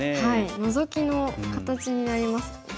ノゾキの形になりますよね。